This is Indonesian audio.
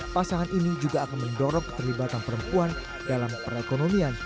pasangan ini juga akan mendorong keterlibatan perempuan dalam perekonomian